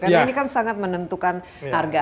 karena ini kan sangat menentukan harga